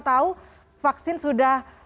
tahu vaksin sudah